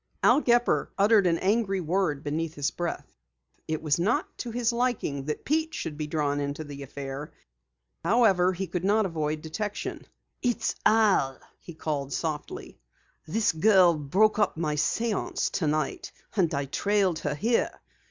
Al Gepper uttered an angry word beneath his breath. It was not to his liking that Pete should be drawn into the affair. However, he could not avoid detection. "It's Al!" he called softly. "This girl broke up my séance tonight, and I trailed her here.